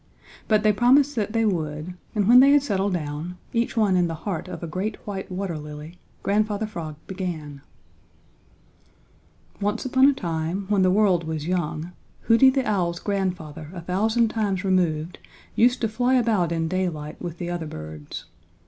But they promised that they would, and when they had settled down, each one in the heart of a great white water lily, Grandfather Frog began: "Once upon a time, when the world was young, Hooty the Owl's grandfather a thousand times removed used to fly about in daylight with the other birds.